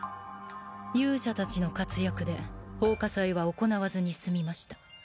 勇者たちの活躍で奉火祭は行わずに済みました。